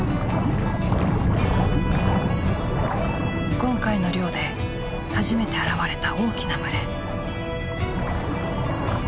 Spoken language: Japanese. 今回の漁で初めて現れた大きな群れ。